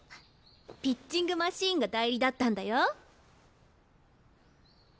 ピッチングマシンが代理だったんだよ。